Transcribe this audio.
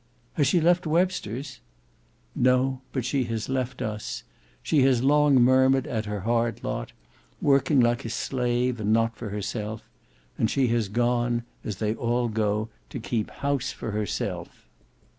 "Has she left Webster's?" "No; but she has left us. She has long murmured at her hard lot; working like a slave and not for herself. And she has gone, as they all go, to keep house for herself."